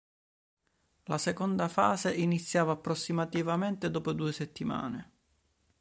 La seconda fase iniziava approssimativamente dopo due settimane.